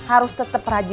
aku mau pergi